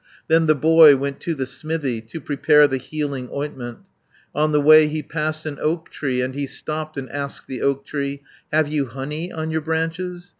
Then the boy went to the smithy, To prepare the healing ointment, On the way he passed an oak tree, And he stopped and asked the oak tree, "Have you honey on your branches?